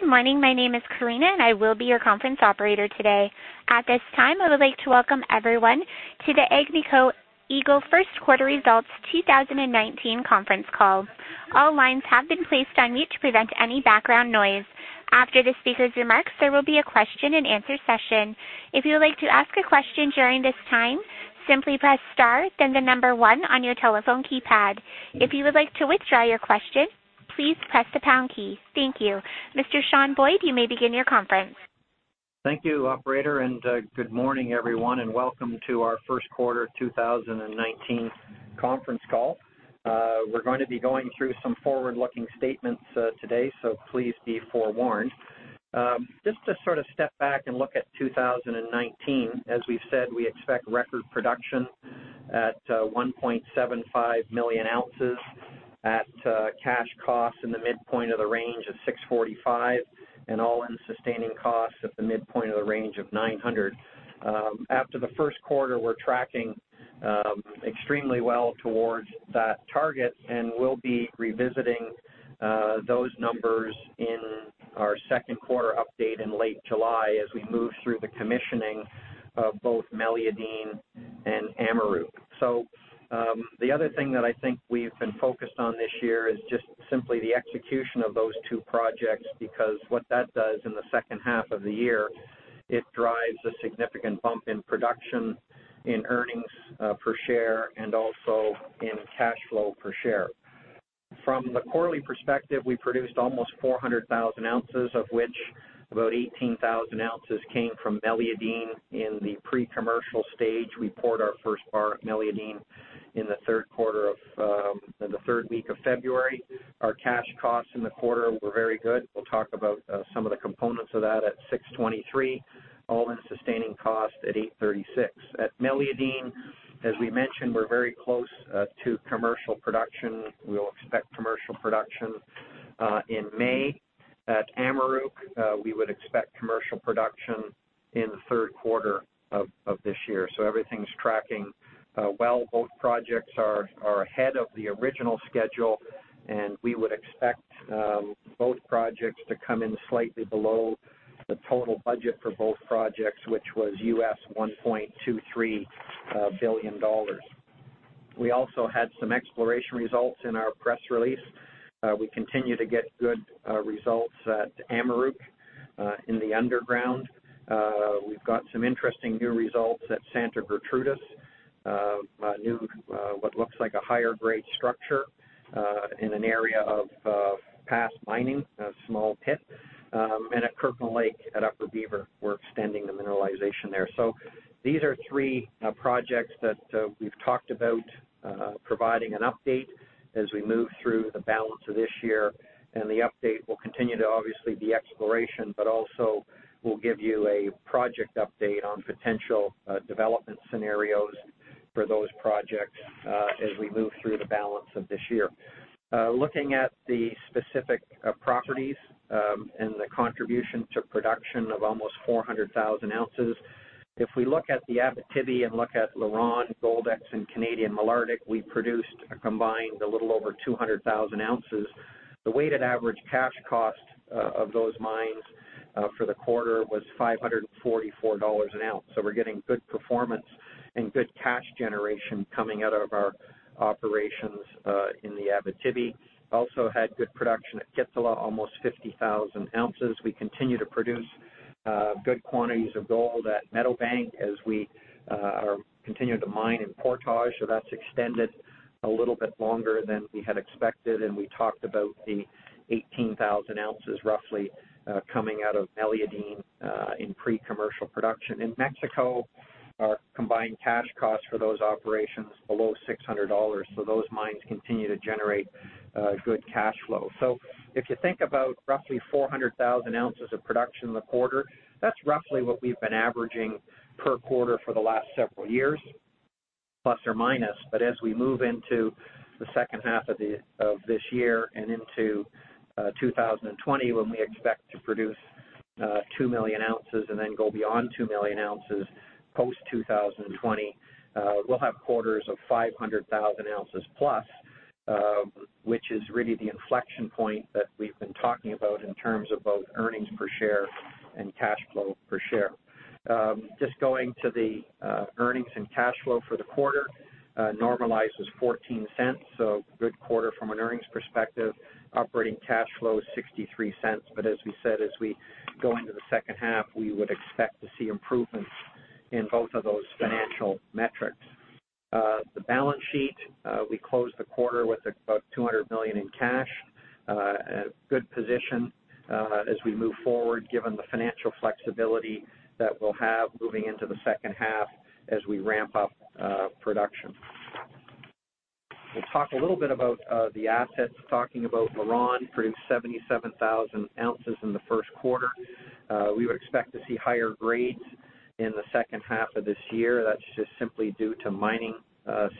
Good morning. My name is Karina, and I will be your conference operator today. At this time, I would like to welcome everyone to the Agnico Eagle First Quarter Results 2019 conference call. All lines have been placed on mute to prevent any background noise. After the speaker's remarks, there will be a question and answer session. If you would like to ask a question during this time, simply press star then the number one on your telephone keypad. If you would like to withdraw your question, please press the pound key. Thank you. Mr. Sean Boyd, you may begin your conference. Thank you, operator, and good morning, everyone, and welcome to our first quarter 2019 conference call. We're going to be going through some forward-looking statements today, so please be forewarned. Just to sort of step back and look at 2019, as we've said, we expect record production at 1.75 million ounces at cash costs in the midpoint of the range of $645, and all-in sustaining costs at the midpoint of the range of $900. After the first quarter, we're tracking extremely well towards that target, and we'll be revisiting those numbers in our second quarter update in late July as we move through the commissioning of both Meliadine and Amaruq. The other thing that I think we've been focused on this year is just simply the execution of those two projects, because what that does in the second half of the year, it drives a significant bump in production, in earnings per share, and also in cash flow per share. From the quarterly perspective, we produced almost 400,000 ounces, of which about 18,000 ounces came from Meliadine in the pre-commercial stage. We poured our first bar at Meliadine in the third week of February. Our cash costs in the quarter were very good. We'll talk about some of the components of that at $623, all-in sustaining cost at $836. At Meliadine, as we mentioned, we're very close to commercial production. We'll expect commercial production in May. At Amaruq, we would expect commercial production in the third quarter of this year. Everything's tracking well. Both projects are ahead of the original schedule, and we would expect both projects to come in slightly below the total budget for both projects, which was US $1.23 billion. We also had some exploration results in our press release. We continue to get good results at Amaruq in the underground. We've got some interesting new results at Santa Gertrudis, a new, what looks like a higher grade structure, in an area of past mining, a small pit. And at Kirkland Lake at Upper Beaver, we're extending the mineralization there. These are three projects that we've talked about providing an update as we move through the balance of this year. The update will continue to obviously be exploration, but also we'll give you a project update on potential development scenarios for those projects as we move through the balance of this year. Looking at the specific properties and the contribution to production of almost 400,000 ounces, if we look at the Abitibi and look at LaRonde, Goldex, and Canadian Malartic, we produced a combined a little over 200,000 ounces. The weighted average cash cost of those mines for the quarter was 544 dollars an ounce. We're getting good performance and good cash generation coming out of our operations in the Abitibi. Also had good production at Kittila, almost 50,000 ounces. We continue to produce good quantities of gold at Meadowbank as we are continuing to mine in Portage. That's extended a little bit longer than we had expected, and we talked about the 18,000 ounces roughly coming out of Meliadine in pre-commercial production. In Mexico, our combined cash costs for those operations below 600 dollars. Those mines continue to generate good cash flow. If you think about roughly 400,000 ounces of production in the quarter, that's roughly what we've been averaging per quarter for the last several years, plus or minus. As we move into the second half of this year and into 2020, when we expect to produce 2 million ounces and then go beyond 2 million ounces post-2020, we'll have quarters of 500,000 ounces plus, which is really the inflection point that we've been talking about in terms of both earnings per share and cash flow per share. Just going to the earnings and cash flow for the quarter, normalized was 0.14, good quarter from an earnings perspective. Operating cash flow 0.63, as we said, as we go into the second half, we would expect to see improvements in both of those financial metrics. The balance sheet, we closed the quarter with about 200 million in cash, a good position as we move forward given the financial flexibility that we'll have moving into the second half as we ramp up production. We'll talk a little bit about the assets. Talking about LaRonde produced 77,000 ounces in the first quarter. We would expect to see higher grades in the second half of this year. That's just simply due to mining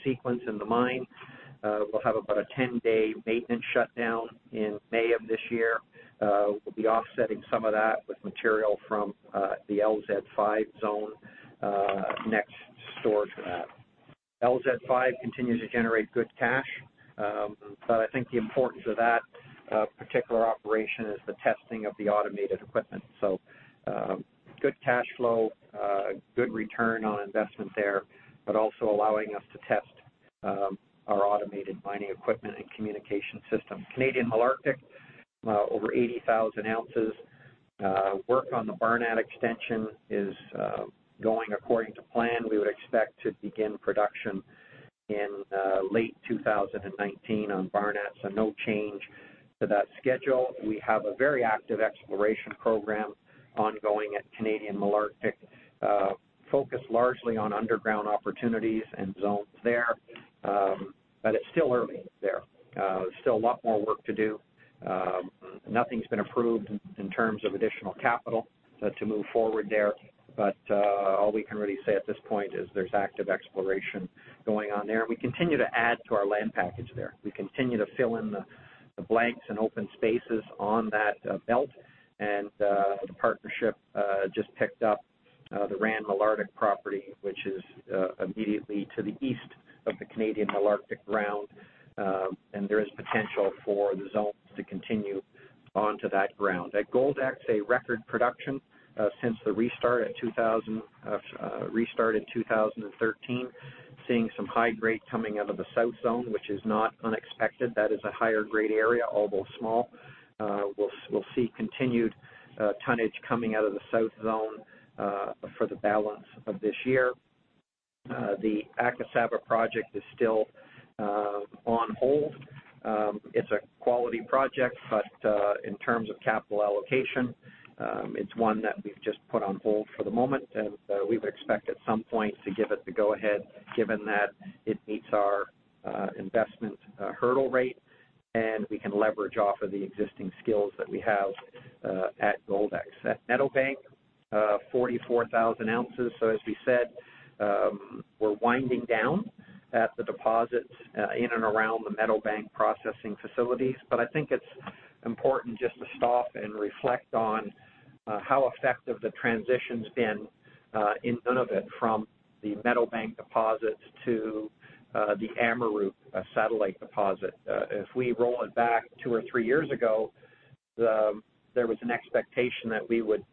sequence in the mine. We'll have about a 10-day maintenance shutdown in May of this year. We'll be offsetting some of that with material from the LZ5 zone next door to that. LZ5 continues to generate good cash. I think the importance of that particular operation is the testing of the automated equipment. Good cash flow, good return on investment there, also allowing us to test our automated mining equipment and communication system. Canadian Malartic, over 80,000 ounces. Work on the Barnat extension is going according to plan. We would expect to begin production in late 2019 on Barnat, no change to that schedule. We have a very active exploration program ongoing at Canadian Malartic, focused largely on underground opportunities and zones there. It's still early there. There's still a lot more work to do. Nothing's been approved in terms of additional capital to move forward there. All we can really say at this point is there's active exploration going on there, and we continue to add to our land package there. We continue to fill in the blanks and open spaces on that belt, the partnership just picked up the Rand Malartic property, which is immediately to the east of the Canadian Malartic ground. There is potential for the zones to continue onto that ground. At Goldex, a record production since the restart in 2013, seeing some high grade coming out of the South zone, which is not unexpected. That is a higher grade area, although small. We'll see continued tonnage coming out of the South zone for the balance of this year. The Akasaba project is still on hold. It's a quality project, but in terms of capital allocation, it's one that we've just put on hold for the moment, and we would expect at some point to give it the go ahead, given that it meets our investment hurdle rate and we can leverage off of the existing skills that we have at Goldex. At Meadowbank, 44,000 ounces. As we said, we're winding down at the deposits in and around the Meadowbank processing facilities. I think it's important just to stop and reflect on how effective the transition's been in Nunavut from the Meadowbank deposits to the Amaruq satellite deposit. If we roll it back two or three years ago, there was an expectation that we would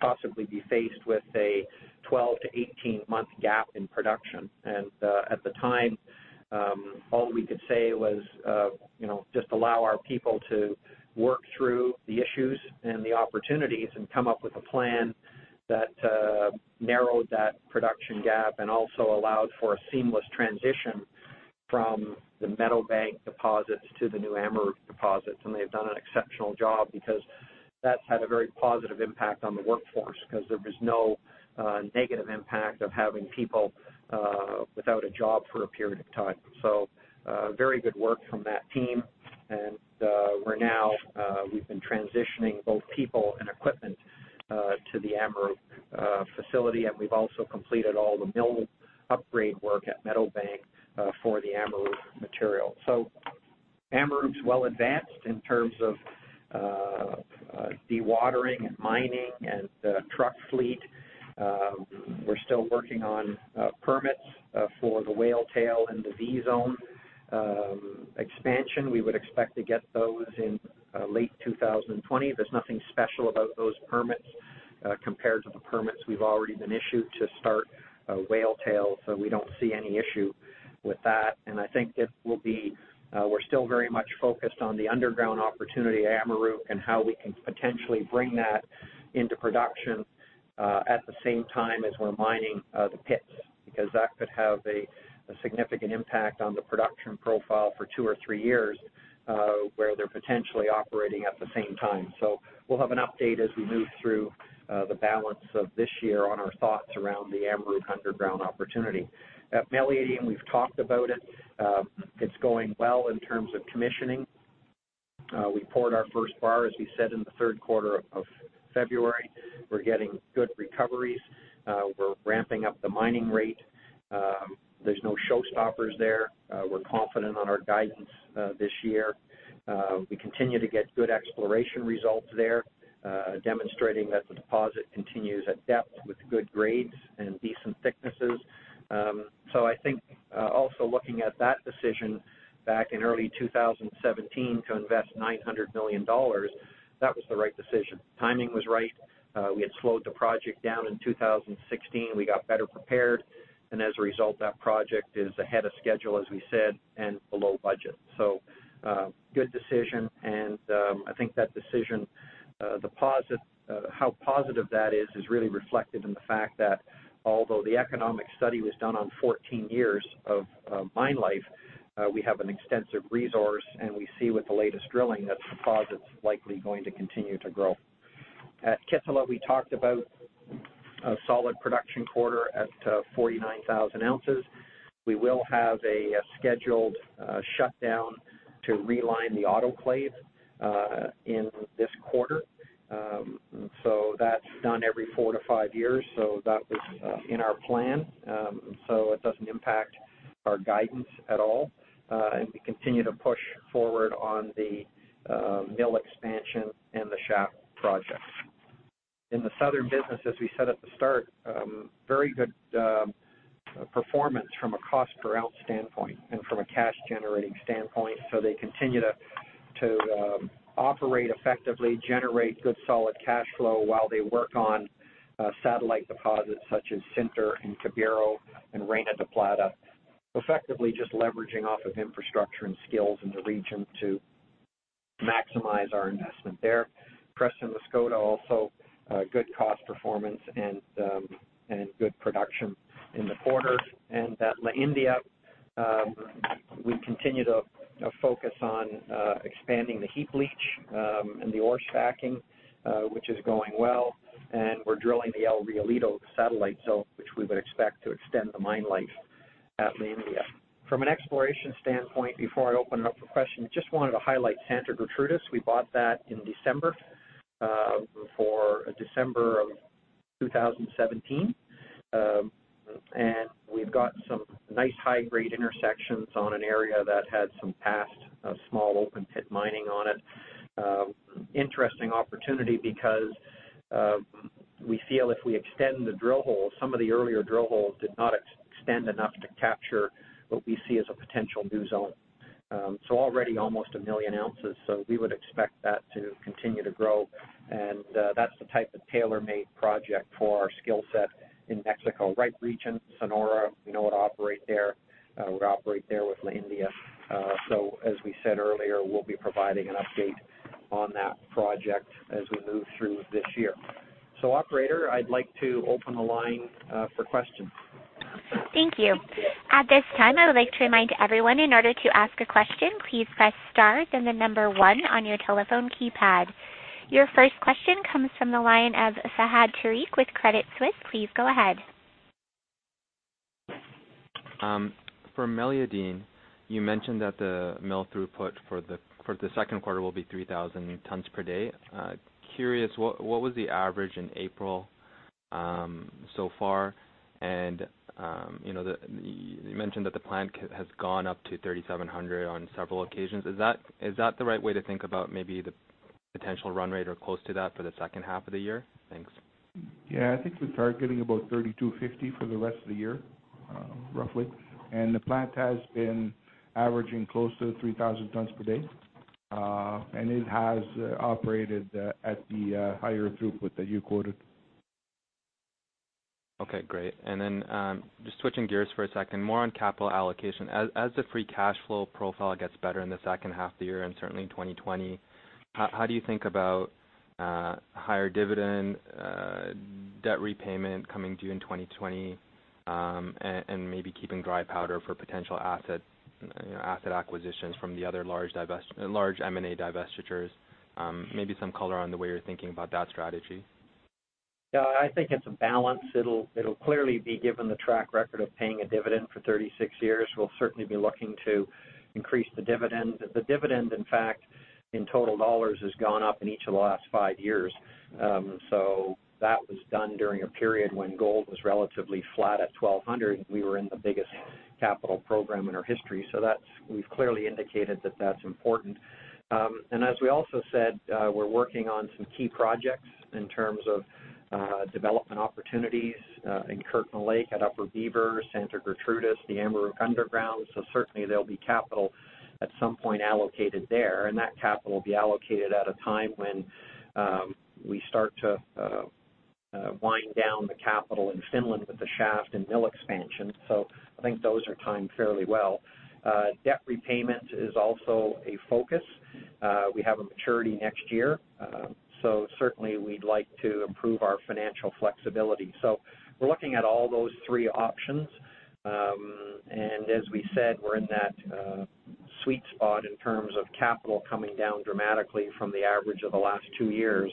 possibly be faced with a 12 to 18 month gap in production. At the time, all we could say was just allow our people to work through the issues and the opportunities and come up with a plan that narrowed that production gap and also allowed for a seamless transition from the Meadowbank deposits to the new Amaruq deposits. They've done an exceptional job because that's had a very positive impact on the workforce, because there was no negative impact of having people without a job for a period of time. Very good work from that team. We've been transitioning both people and equipment to the Amaruq facility, and we've also completed all the mill upgrade work at Meadowbank for the Amaruq material. Amaruq's well advanced in terms of dewatering and mining and truck fleet. We're still working on permits for the Whale Tail and the V Zone expansion. We would expect to get those in late 2020. There's nothing special about those permits compared to the permits we've already been issued to start Whale Tail. We don't see any issue with that. I think we're still very much focused on the underground opportunity at Amaruq and how we can potentially bring that into production at the same time as we're mining the pits, because that could have a significant impact on the production profile for two or three years, where they're potentially operating at the same time. We'll have an update as we move through the balance of this year on our thoughts around the Amaruq underground opportunity. At Meliadine, we've talked about it. It's going well in terms of commissioning. We poured our first bar, as we said, in the third quarter of February. We're getting good recoveries. We're ramping up the mining rate. There's no showstoppers there. We're confident on our guidance this year. We continue to get good exploration results there, demonstrating that the deposit continues at depth with good grades and decent thicknesses. I think also looking at that decision back in early 2017 to invest 900 million dollars, that was the right decision. Timing was right. We had slowed the project down in 2016. We got better prepared, and as a result, that project is ahead of schedule, as we said, and below budget. Good decision, and I think that decision, how positive that is really reflected in the fact that although the economic study was done on 14 years of mine life, we have an extensive resource, and we see with the latest drilling that deposit's likely going to continue to grow. At Kittila, we talked about a solid production quarter at 49,000 ounces. We will have a scheduled shutdown to realign the autoclave in this quarter. That's done every four to five years. That was in our plan. It doesn't impact our guidance at all. We continue to push forward on the mill expansion and the shaft projects. In the Southern businesses, we said at the start, very good performance from a cost per ounce standpoint and from a cash generating standpoint. They continue to operate effectively, generate good solid cash flow while they work on satellite deposits such as Sinter and Cubiro and Reina de Plata, effectively just leveraging off of infrastructure and skills in the region to maximize our investment there. Pinos Altos also good cost performance and good production in the quarter. At La India, we continue to focus on expanding the heap leach and the ore stacking, which is going well, and we're drilling the El Realito satellite zone, which we would expect to extend the mine life at La India. From an exploration standpoint, before I open it up for questions, just wanted to highlight Santa Gertrudis. We bought that in December of 2017, and we've got some nice high-grade intersections on an area that had some past small open pit mining on it. Interesting opportunity because we feel if we extend the drill holes, some of the earlier drill holes did not extend enough to capture what we see as a potential new zone. Already almost a million ounces, so we would expect that to continue to grow. That's the type of tailor-made project for our skill set in Mexico, right region, Sonora. We know how to operate there. We operate there with La India. As we said earlier, we'll be providing an update on that project as we move through this year. Operator, I'd like to open the line for questions. Thank you. At this time, I would like to remind everyone, in order to ask a question, please press star, then the number one on your telephone keypad. Your first question comes from the line of Fahad Tariq with Credit Suisse. Please go ahead. For Meliadine, you mentioned that the mill throughput for the second quarter will be 3,000 tons per day. Curious, what was the average in April so far? You mentioned that the plant has gone up to 3,700 on several occasions. Is that the right way to think about maybe the potential run rate or close to that for the second half of the year? Thanks. I think we're targeting about 3,250 for the rest of the year, roughly. The plant has been averaging close to 3,000 tons per day. It has operated at the higher throughput that you quoted. Okay, great. Just switching gears for a second, more on capital allocation. As the free cash flow profile gets better in the second half of the year and certainly in 2020, how do you think about higher dividend debt repayment coming due in 2020 and maybe keeping dry powder for potential asset acquisitions from the other large M&A divestitures? Maybe some color on the way you're thinking about that strategy. I think it's a balance. It'll clearly be given the track record of paying a dividend for 36 years. We'll certainly be looking to increase the dividend. The dividend, in fact, in total dollars, has gone up in each of the last 5 years. That was done during a period when gold was relatively flat at 1,200. We were in the biggest capital program in our history. We've clearly indicated that that's important. As we also said, we're working on some key projects in terms of development opportunities in Kirkland Lake, at Upper Beaver, Santa Gertrudis, the Amaruq underground. Certainly there'll be capital at some point allocated there, and that capital will be allocated at a time when we start to wind down the capital in Finland with the shaft and mill expansion. I think those are timed fairly well. Debt repayment is also a focus. We have a maturity next year, certainly we'd like to improve our financial flexibility. We're looking at all those 3 options. As we said, we're in that sweet spot in terms of capital coming down dramatically from the average of the last 2 years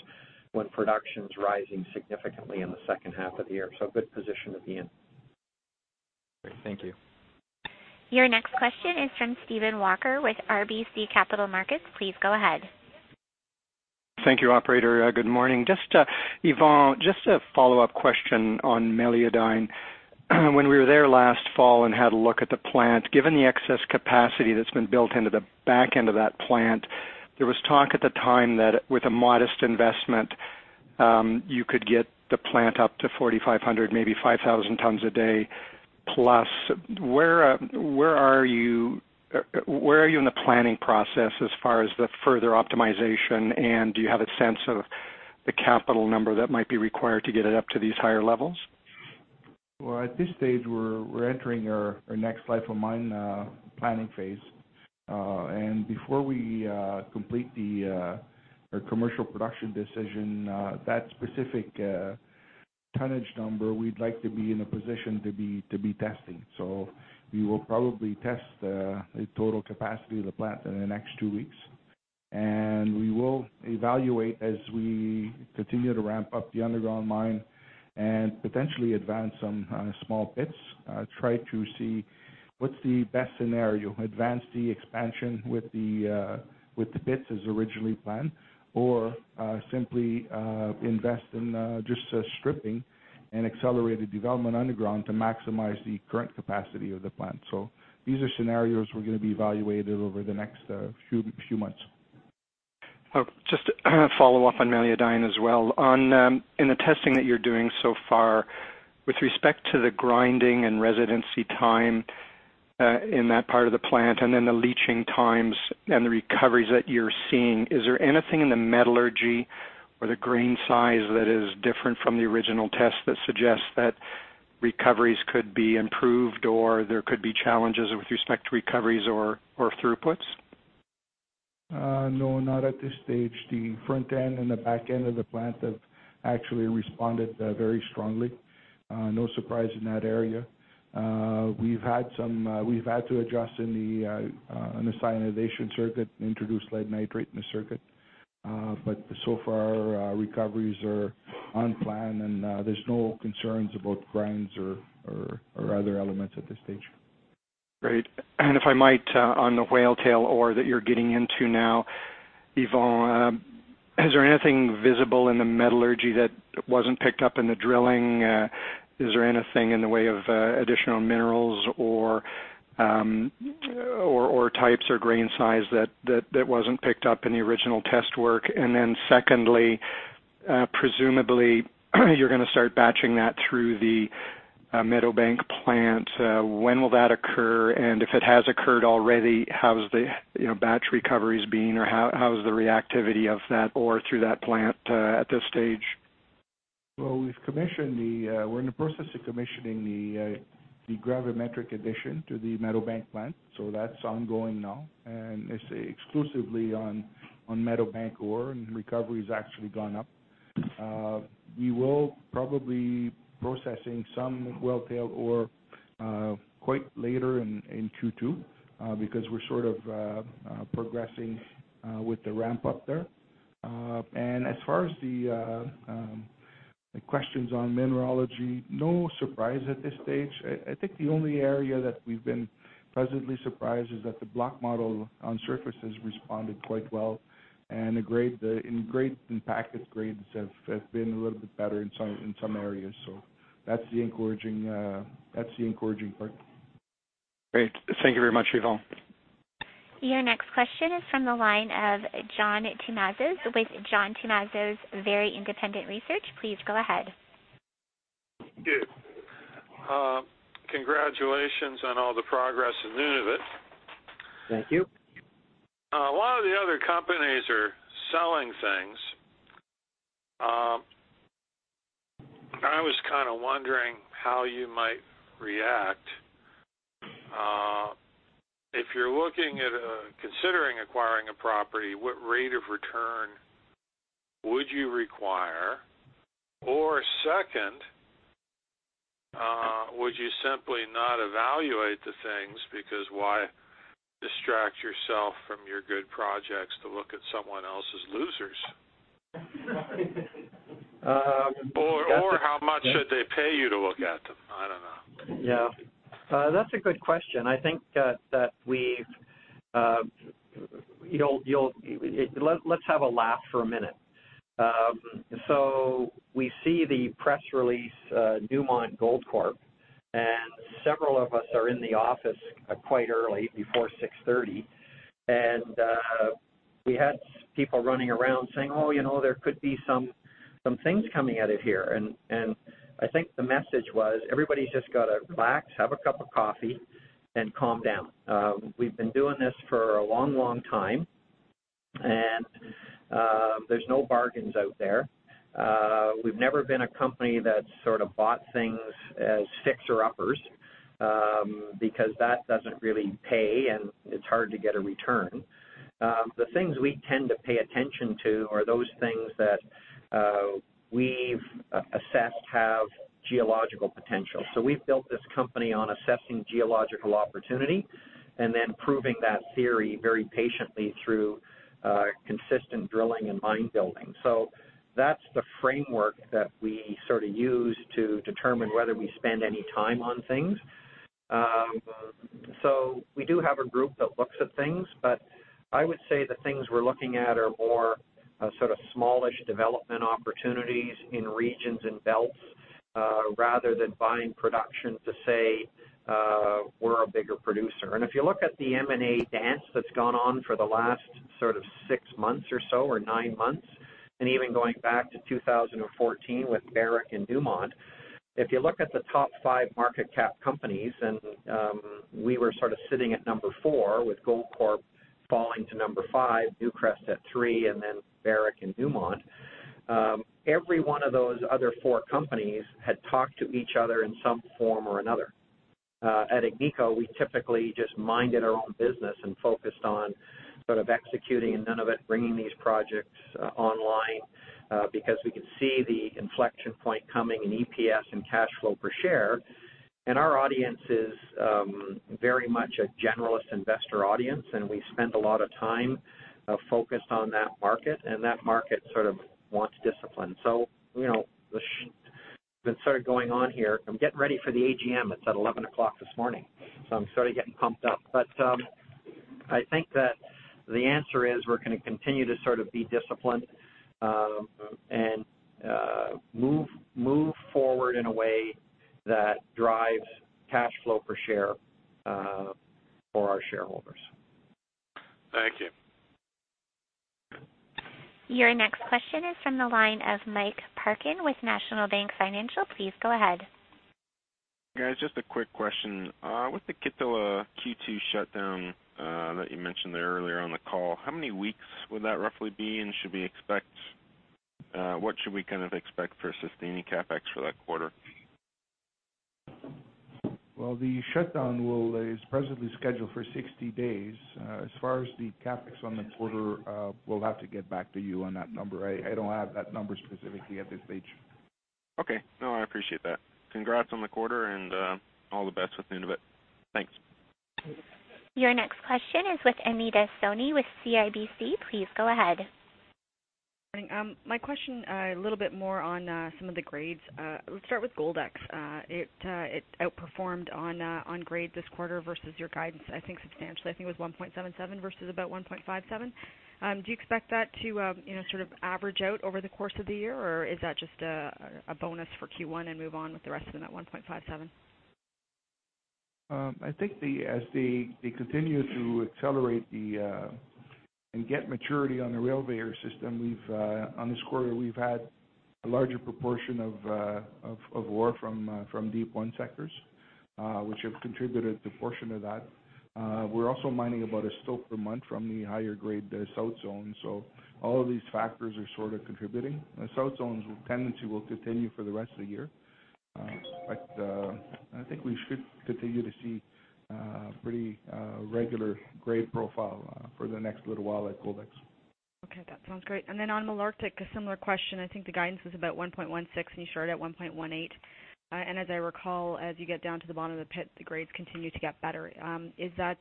when production's rising significantly in the second half of the year. Good position to be in. Great. Thank you. Your next question is from Steven Walker with RBC Capital Markets. Please go ahead. Thank you, operator. Good morning. Yvon, just a follow-up question on Meliadine. When we were there last fall and had a look at the plant, given the excess capacity that's been built into the back end of that plant, there was talk at the time that with a modest investment, you could get the plant up to 4,500, maybe 5,000 tons a day plus. Where are you in the planning process as far as the further optimization, and do you have a sense of the capital number that might be required to get it up to these higher levels? Well, at this stage, we're entering our next life of mine planning phase. Before we complete the commercial production decision, that specific tonnage number, we'd like to be in a position to be testing. We will probably test the total capacity of the plant in the next two weeks, we will evaluate as we continue to ramp up the underground mine and potentially advance some small pits, try to see what's the best scenario, advance the expansion with the pits as originally planned, or simply invest in just stripping and accelerated development underground to maximize the current capacity of the plant. These are scenarios we're going to be evaluating over the next few months. Just to follow up on Meliadine as well. In the testing that you're doing so far, with respect to the grinding and residency time in that part of the plant and then the leaching times and the recoveries that you're seeing, is there anything in the metallurgy or the grain size that is different from the original test that suggests that recoveries could be improved or there could be challenges with respect to recoveries or throughputs? No, not at this stage. The front end and the back end of the plant have actually responded very strongly. No surprise in that area. We've had to adjust in the cyanidation circuit, introduce lead nitrate in the circuit. So far, recoveries are on plan and there's no concerns about grinds or other elements at this stage. Great. If I might, on the Whale Tail ore that you're getting into now, Yvon, is there anything visible in the metallurgy that wasn't picked up in the drilling? Is there anything in the way of additional minerals or types or grain size that wasn't picked up in the original test work? Secondly, presumably, you're going to start batching that through the Meadowbank plant. When will that occur? If it has occurred already, how has the batch recoveries been, or how has the reactivity of that ore through that plant at this stage? Well, we're in the process of commissioning the gravity addition to the Meadowbank plant. That's ongoing now, and it's exclusively on Meadowbank ore, and recovery's actually gone up. We will probably processing some Whale Tail ore quite later in Q2 because we're sort of progressing with the ramp up there. As far as the questions on mineralogy, no surprise at this stage. I think the only area that we've been pleasantly surprised is that the block model on surface has responded quite well, and the impact of grades have been a little bit better in some areas. That's the encouraging part. Great. Thank you very much, Yvon. Your next question is from the line of John Tumazos with John Tumazos Very Independent Research. Please go ahead. Thank you. Congratulations on all the progress in Nunavut. Thank you. A lot of the other companies are selling things. I was kind of wondering how you might react. If you're considering acquiring a property, what rate of return would you require? Second, would you simply not evaluate the things because why distract yourself from your good projects to look at someone else's losers? How much should they pay you to look at them? I don't know. Yeah. That's a good question. Let's have a laugh for a minute. We see the press release, Dumont Gold Corp, and several of us are in the office quite early before 6:30. We had people running around saying, "Oh, there could be some things coming out of here." I think the message was, everybody's just got to relax, have a cup of coffee, and calm down. We've been doing this for a long time, and there's no bargains out there. We've never been a company that sort of bought things as fixer-uppers because that doesn't really pay, and it's hard to get a return. The things we tend to pay attention to are those things that we've assessed have geological potential. We've built this company on assessing geological opportunity and then proving that theory very patiently through consistent drilling and mine building. That's the framework that we sort of use to determine whether we spend any time on things. We do have a group that looks at things, but I would say the things we're looking at are more sort of smallish development opportunities in regions and belts rather than buying production to say we're a bigger producer. If you look at the M&A dance that's gone on for the last sort of six months or so, or nine months, and even going back to 2014 with Barrick and Dumont, if you look at the top five market cap companies, and we were sort of sitting at number four with Goldcorp falling to number five, Newcrest at three, and then Barrick and Dumont, every one of those other four companies had talked to each other in some form or another. At Agnico, we typically just minded our own business and focused on sort of executing in Nunavut, bringing these projects online because we could see the inflection point coming in EPS and cash flow per share. Our audience is very much a generalist investor audience, and we spend a lot of time focused on that market, and that market sort of wants discipline. That's sort of going on here. I'm getting ready for the AGM. It's at 11:00 A.M. this morning, I'm sort of getting pumped up. I think that the answer is we're going to continue to be disciplined, and move forward in a way that drives cash flow per share for our shareholders. Thank you. Your next question is from the line of Mike Parkin with National Bank Financial. Please go ahead. Guys, just a quick question. With the Kittila Q2 shutdown that you mentioned there earlier on the call, how many weeks would that roughly be, and what should we expect for sustaining CapEx for that quarter? Well, the shutdown is presently scheduled for 60 days. As far as the CapEx on the quarter, we'll have to get back to you on that number. I don't have that number specifically at this stage. Okay. No, I appreciate that. Congrats on the quarter, and all the best with Nunavut. Thanks. Your next question is with Anita Soni with CIBC. Please go ahead. Morning. My question a little bit more on some of the grades. Let's start with Goldex. It outperformed on grade this quarter versus your guidance, I think substantially. I think it was 1.77 versus about 1.57. Do you expect that to average out over the course of the year, or is that just a bonus for Q1 and move on with the rest of them at 1.57? I think as they continue to accelerate and get maturity on the ramp/vein system, on this quarter, we've had a larger proportion of ore from Deep 1 sectors, which have contributed to portion of that. We're also mining about a stope per month from the higher grade South Zone, All of these factors are sort of contributing. The South Zone's tendency will continue for the rest of the year. I think we should continue to see a pretty regular grade profile for the next little while at Goldex. Okay, that sounds great. On Malartic, a similar question. I think the guidance was about 1.16, you started at 1.18. As I recall, as you get down to the bottom of the pit, the grades continue to get better. Is that,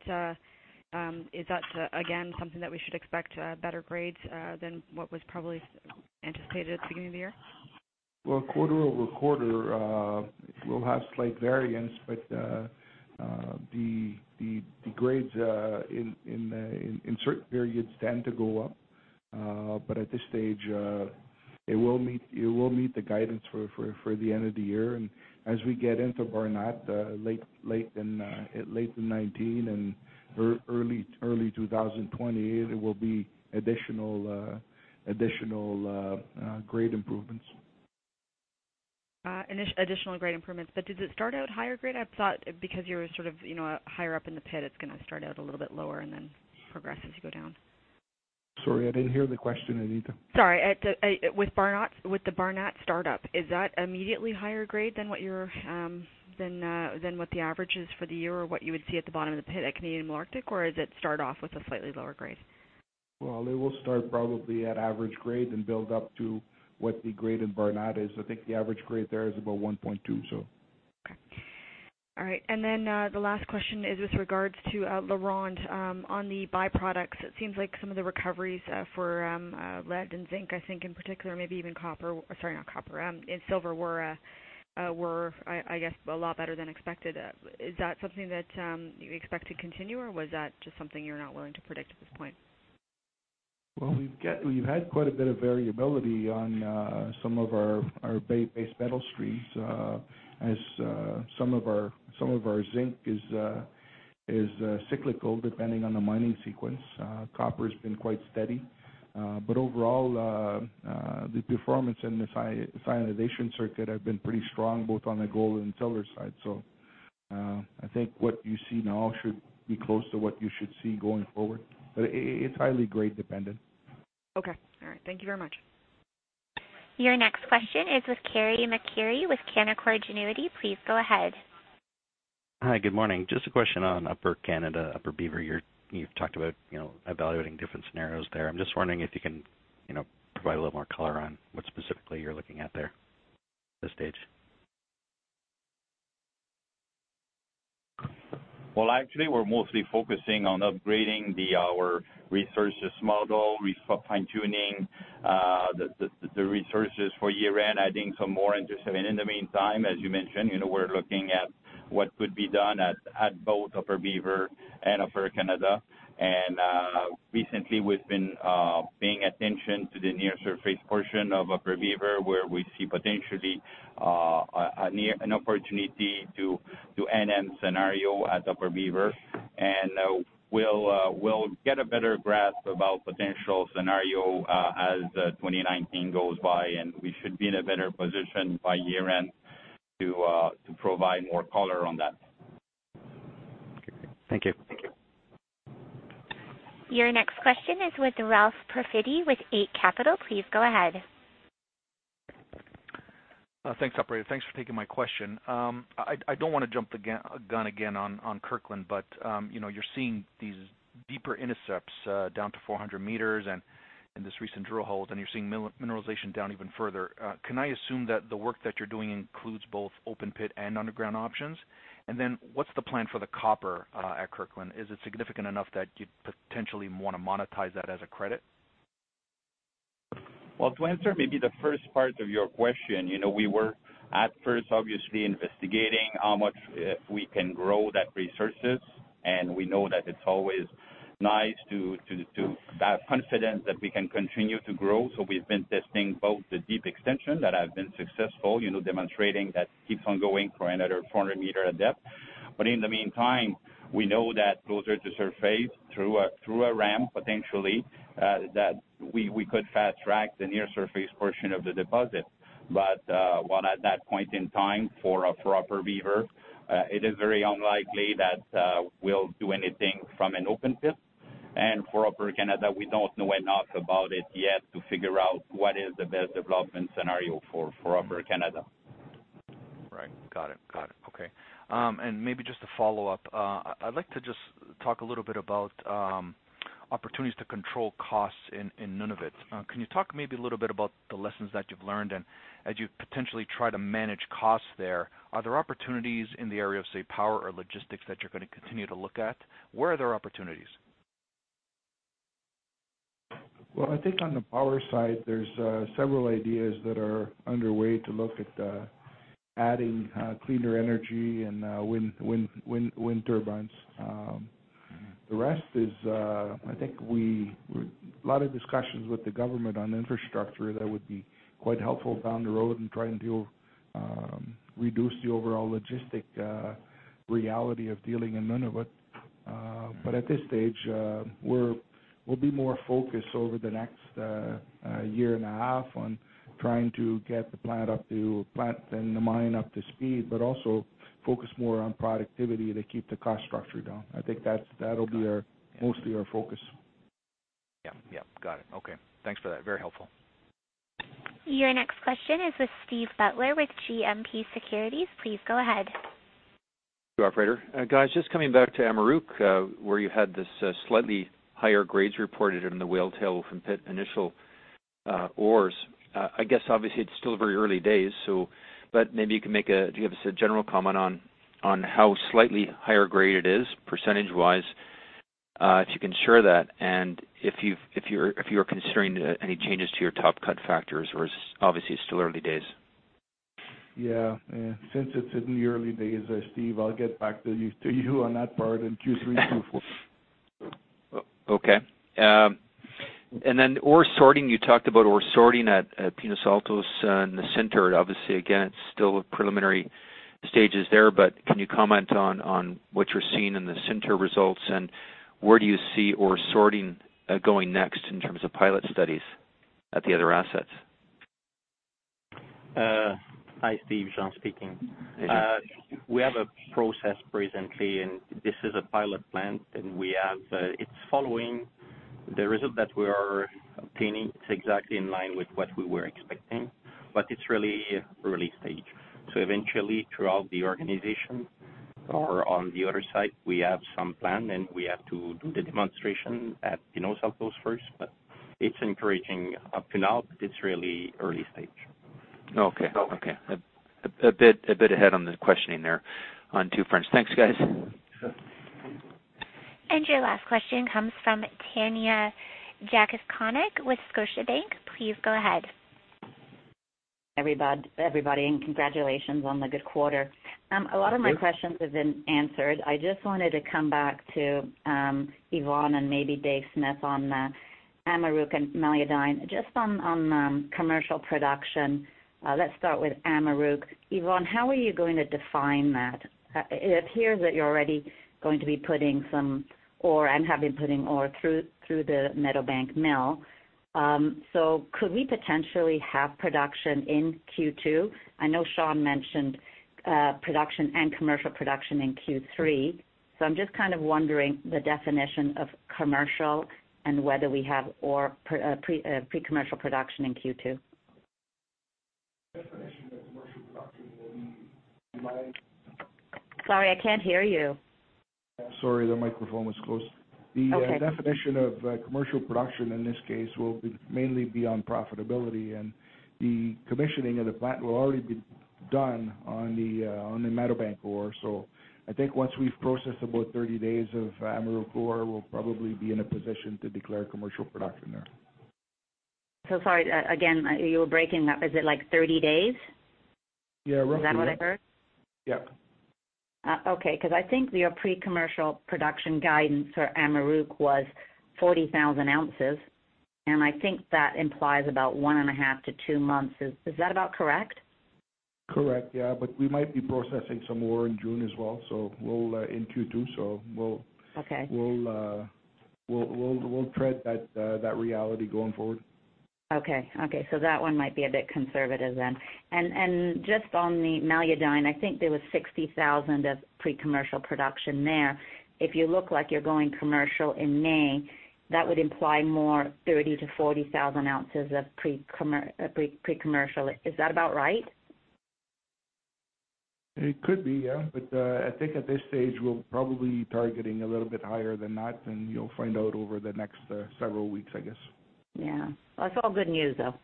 again, something that we should expect, better grades, than what was probably anticipated at the beginning of the year? Well, quarter-over-quarter, we'll have slight variance, the grades in certain periods tend to go up. At this stage, it will meet the guidance for the end of the year. As we get into Barnat late in 2019 and early 2020, there will be additional grade improvements. Additional grade improvements. Did it start out higher grade? I thought because you're higher up in the pit, it's going to start out a little bit lower and then progress as you go down. Sorry, I didn't hear the question, Anita. Sorry. With the Barnat startup, is that immediately higher grade than what the average is for the year or what you would see at the bottom of the pit at Canadian Malartic, or does it start off with a slightly lower grade? Well, it will start probably at average grade and build up to what the grade in Barnat is. I think the average grade there is about 1.2. The last question is with regards to LaRonde. On the byproducts, it seems like some of the recoveries for lead and zinc, maybe even silver were a lot better than expected. Is that something that you expect to continue, or was that just something you're not willing to predict at this point? Well, we've had quite a bit of variability on some of our base metal streams, as some of our zinc is cyclical depending on the mining sequence. Copper's been quite steady. Overall, the performance in the cyanidation circuit have been pretty strong, both on the gold and silver side. I think what you see now should be close to what you should see going forward. It's highly grade dependent. Thank you very much. Your next question is with Carey MacRury with Canaccord Genuity. Please go ahead. Hi, good morning. Just a question on Upper Canada, Upper Beaver. You've talked about evaluating different scenarios there. I'm just wondering if you can provide a little more color on what specifically you're looking at there at this stage. Well, actually, we're mostly focusing on upgrading our resources model, fine-tuning the resources for year-end, adding some more into seven. In the meantime, as you mentioned, we're looking at what could be done at both Upper Beaver and Upper Canada. Recently, we've been paying attention to the near surface portion of Upper Beaver, where we see potentially an opportunity to open pit scenario at Upper Beaver. We'll get a better grasp about potential scenario as 2019 goes by, and we should be in a better position by year-end to provide more color on that. Thank you. Thank you. Your next question is with Ralph Profiti with Eight Capital. Please go ahead. Thanks, operator. Thanks for taking my question. I don't want to jump the gun again on Kirkland, but you're seeing these deeper intercepts down to 400 meters and in this recent drill holes, and you're seeing mineralization down even further. Can I assume that the work that you're doing includes both open pit and underground options? And then what's the plan for the copper at Kirkland? Is it significant enough that you'd potentially want to monetize that as a credit? Well, to answer maybe the first part of your question, we were at first, obviously, investigating how much we can grow that resources, and we know that it's always nice to have confidence that we can continue to grow. We've been testing both the deep extension that have been successful, demonstrating that keeps on going for another 400 meter of depth. In the meantime, we know that closer to surface, through a ramp, potentially, that we could fast-track the near-surface portion of the deposit. While at that point in time for Upper Beaver, it is very unlikely that we'll do anything from an open pit. For Upper Canada, we don't know enough about it yet to figure out what is the best development scenario for Upper Canada. Right. Got it. Okay. Maybe just to follow up, I'd like to just talk a little bit about opportunities to control costs in Nunavut. Can you talk maybe a little bit about the lessons that you've learned and as you potentially try to manage costs there, are there opportunities in the area of, say, power or logistics that you're going to continue to look at? Where are there opportunities? Well, I think on the power side, there's several ideas that are underway to look at adding cleaner energy and wind turbines. The rest is, I think a lot of discussions with the government on infrastructure that would be quite helpful down the road in trying to reduce the overall logistic reality of dealing in Nunavut. At this stage, we'll be more focused over the next year and a half on trying to get the plant and the mine up to speed, but also focus more on productivity to keep the cost structure down. I think that'll be mostly our focus. Yeah. Got it. Okay. Thanks for that. Very helpful. Your next question is with Steve Butler with GMP Securities. Please go ahead. Thank you, operator. Guys, just coming back to Amaruq, where you had this slightly higher grades reported in the whale tail from pit initial ores. I guess obviously it's still very early days, but maybe you can give us a general comment on how slightly higher grade it is percentage-wise, if you can share that, and if you're considering any changes to your top cut factors, or obviously it's still early days. Yeah. Since it's in the early days, Steve, I'll get back to you on that part in Q3. Okay. Then ore sorting, you talked about ore sorting at Pinos Altos and the Sinter. Obviously, again, it's still preliminary stages there, but can you comment on what you're seeing in the Sinter results and where do you see ore sorting going next in terms of pilot studies at the other assets? Hi, Steve, Jean speaking. Hi, Jean. We have a process presently, and this is a pilot plant and it's following the result that we are obtaining. It's exactly in line with what we were expecting, but it's really early stage. Eventually, throughout the organization or on the other side, we have some plan and we have to do the demonstration at Pinos Altos first. It's encouraging up to now, but it's really early stage. Okay. A bit ahead on the questioning there on two fronts. Thanks, guys. Your last question comes from Tanya Jakusconek with Scotiabank. Please go ahead. Hi, everybody, congratulations on the good quarter. Thank you. A lot of my questions have been answered. I just wanted to come back to Yvon and maybe Dave Smith on Amaruq and Meliadine. Just on commercial production, let's start with Amaruq. Yvon, how are you going to define that? It appears that you're already going to be putting some ore and have been putting ore through the Meadowbank mill. Could we potentially have production in Q2? I know Jean mentioned production and commercial production in Q3. I'm just kind of wondering the definition of commercial and whether we have ore pre-commercial production in Q2. The definition of commercial production will be mine. Sorry, I can't hear you. Sorry, the microphone was closed. Okay. The definition of commercial production in this case will mainly be on profitability, and the commissioning of the plant will already be done on the Meadowbank ore. I think once we've processed about 30 days of Amaruq ore, we'll probably be in a position to declare commercial production there. Sorry, again, you were breaking up. Is it like 30 days? Yeah. Roughly. Is that what I heard? Yeah. Because I think your pre-commercial production guidance for Amaruq was 40,000 ounces, and I think that implies about one and a half to two months. Is that about correct? Correct. Yeah. We might be processing some ore in June as well, in Q2. Okay we'll tread that reality going forward. Okay. That one might be a bit conservative then. Just on the Meliadine, I think there was 60,000 of pre-commercial production there. If you look like you're going commercial in May, that would imply more 30,000 to 40,000 ounces of pre-commercial. Is that about right? It could be, yeah. I think at this stage, we'll probably be targeting a little bit higher than that, and you'll find out over the next several weeks, I guess. Yeah. It's all good news, though.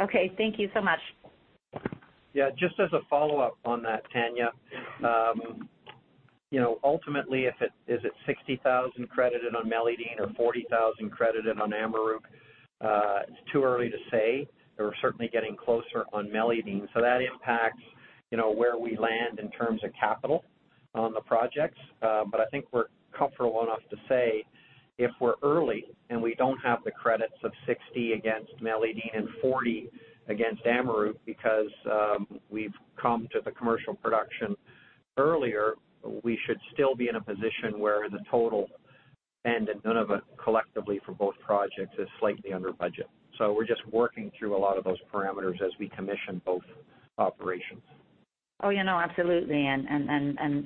Okay. Thank you so much. Just as a follow-up on that, Tanya Jakusconek. Ultimately, is it 60,000 credited on Meliadine or 40,000 credited on Amaruq? It's too early to say. We're certainly getting closer on Meliadine. That impacts where we land in terms of capital on the projects. I think we're comfortable enough to say if we're early and we don't have the credits of 60 against Meliadine and 40 against Amaruq because we've come to the commercial production earlier, we should still be in a position where the total spend in Nunavut collectively for both projects is slightly under budget. We're just working through a lot of those parameters as we commission both operations. Absolutely.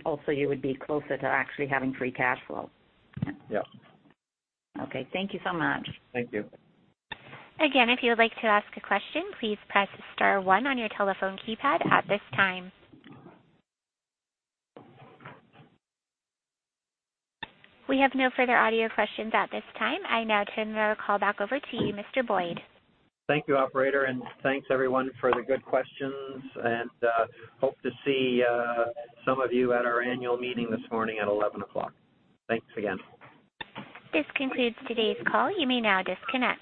Also you would be closer to actually having free cash flow. Yeah. Thank you so much. Thank you. If you would like to ask a question, please press *1 on your telephone keypad at this time. We have no further audio questions at this time. I now turn the call back over to you, Mr. Boyd. Thank you, operator. Thanks everyone for the good questions, and hope to see some of you at our annual meeting this morning at 11:00 A.M. Thanks again. This concludes today's call. You may now disconnect.